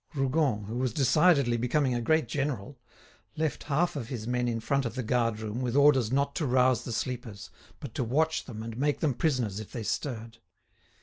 Rougon, who was decidedly becoming a great general, left half of his men in front of the guard room with orders not to rouse the sleepers, but to watch them and make them prisoners if they stirred.